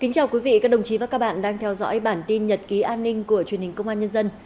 chào mừng quý vị đến với bản tin nhật ký an ninh của truyền hình công an nhân dân